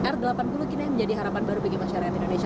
r delapan puluh kini menjadi harapan baru bagi masyarakat indonesia